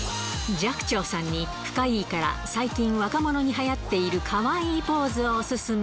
寂聴さんに深イイから、最近若者にはやっているかわいいポーズをお勧め。